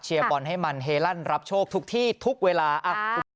เชียร์บอลให้มันเฮลั่นรับโชคทุกที่ทุกเวลาอ่ะ